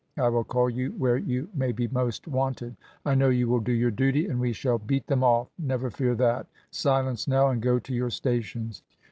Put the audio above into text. I will call you where you may be most wanted; I know you will do your duty, and we shall beat them off, never fear that. Silence now, and go to your stations."